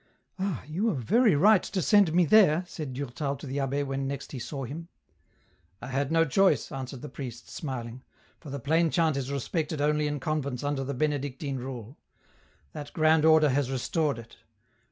" Ah, you were very right to send me there," said Durtal to the abb^ when next he saw him. " I had no choice," answered the priest, smiling, "for the plain chant is respected only in convents under the Bene dictine rule. That grand Order has restored it.